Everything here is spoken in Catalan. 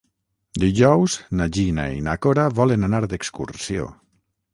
Dijous na Gina i na Cora volen anar d'excursió.